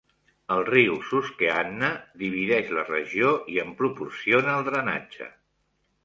El riu Susquehanna divideix la regió i en proporciona el drenatge.